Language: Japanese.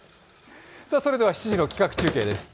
それでは、７時の企画中継です。